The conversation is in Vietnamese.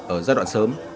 ở giai đoạn sớm